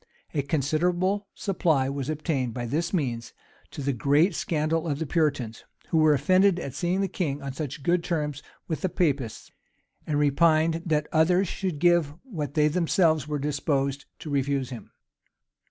[*] A considerable supply was obtained by this means; to the great scandal of the Puritans, who were offended at seeing the king on such good terms with the Papists, and repined that others should give what they themselves were disposed to refuse him.